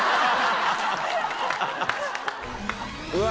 うわ！